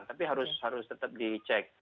tapi harus tetap dicek